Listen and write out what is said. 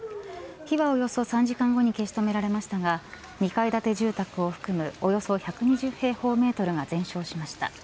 火はおよそ３時間後に消し止められましたが２階建て住宅を含むおよそ１２０平方メートルが全焼しました。